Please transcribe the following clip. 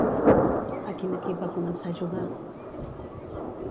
A quin equip va començar a jugar?